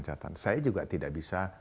saya juga tidak bisa